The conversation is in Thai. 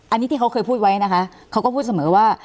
อันนี้ที่เขาเคยพูดไว้นะคะเขาก็พูดเสมอว่า